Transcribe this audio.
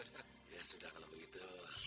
ya sudah kalau begitu